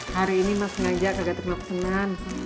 hari ini mas sengaja nggak terima pesenan